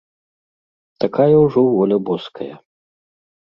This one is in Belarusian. Такая ўжо воля боская.